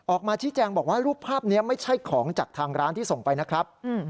ออกมาชี้แจงบอกว่ารูปภาพนี้ไม่ใช่ของจากทางร้านที่ส่งไปนะครับ